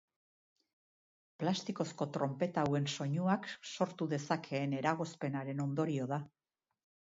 Plastikozko trompeta hauen soinuak sortu dezakeen eragozpenaren odorio da.